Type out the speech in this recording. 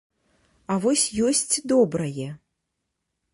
А вось ёсць добрае!